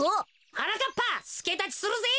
はなかっぱすけだちするぜ。